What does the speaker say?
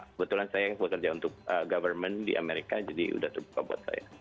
kebetulan saya bekerja untuk government di amerika jadi sudah terbuka buat saya